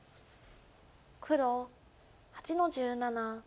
黒８の十七。